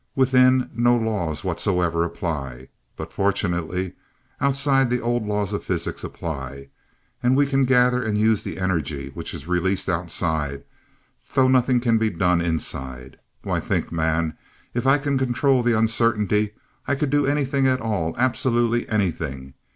Within, no law whatsoever applies, but fortunately, outside the old laws of physics apply and we can gather and use the energy which is released outside, though nothing can be done inside. Why, think, man, if I could control that Uncertainty, I could do anything at all, absolutely anything.